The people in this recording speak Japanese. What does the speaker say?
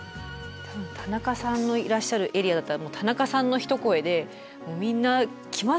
田中さんのいらっしゃるエリアだったら田中さんの一声でみんな来ますよね。